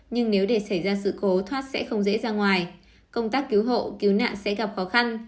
nhưng nếu để xảy ra sự cố thoát sẽ không dễ ra ngoài công tác cứu hộ cứu nạn sẽ gặp khó khăn